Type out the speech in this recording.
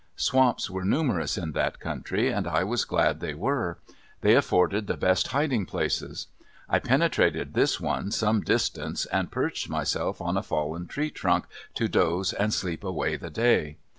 Swamps were numerous in that country, and I was glad they were. They afforded the best hiding places. I penetrated this one some distance and perched myself on a fallen tree trunk to doze and sleep away the day.